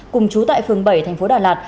cùng chú tại phường bảy tp đà lạt